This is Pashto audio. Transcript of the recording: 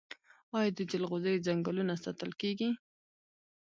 آیا د جلغوزیو ځنګلونه ساتل کیږي؟